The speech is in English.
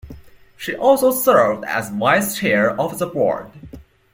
She also served as vice-chair of the board.